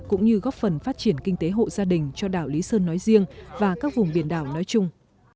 cũng như góp phần phát triển kinh tế hộ gia đình cho đảo lý sơn nói riêng và các vùng biển đảo nói chung